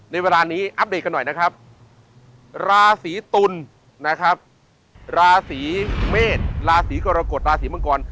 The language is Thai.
ในเวลานี้อัปเดตกันหน่อยนะครับราศีตุลนะครับราศีเมษราศีกรกฎราศีมังกร